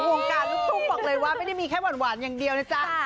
วงการลูกทุ่งบอกเลยว่าไม่ได้มีแค่หวานอย่างเดียวนะจ๊ะ